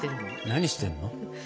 何してるの？